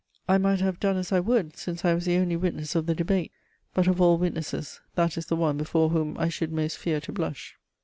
I might have done as I would, since I was the only witness of the debate ; but of all wit nesses, that is the one before whom I should most fear to blush.